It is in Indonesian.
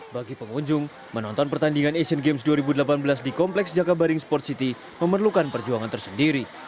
bagi pengunjung menonton pertandingan asian games dua ribu delapan belas di kompleks jakabaring sport city memerlukan perjuangan tersendiri